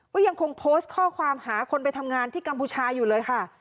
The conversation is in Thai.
ก็ยังคงโพสต์ข้อความหาคนไปทำงานที่กัมพูชาอยู่เลยค่ะ